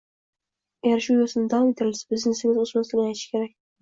agar shu yoʻsinda davom ettirilsa biznesingiz oʻsmasligini aytishi kerak.